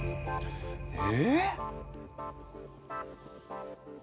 え？